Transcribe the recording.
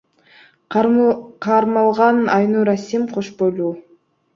Кармалган Айнура Сим кош бойлуу.